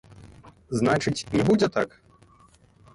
Значыць, не будзе так?